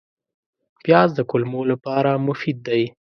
پیاز د کولمو لپاره مفید دی